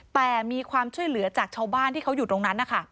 แต่มีความช่วยเหลือจากชาวบ้านที่เขาอยู่ตรงนั้นนะคะ